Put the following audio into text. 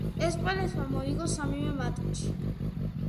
ესპანეთმა მოიგო სამივე მატჩი.